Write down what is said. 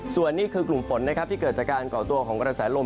ส่วนนี้คือกลุ่มฝนนะครับที่เกิดจากการก่อตัวของกระแสลม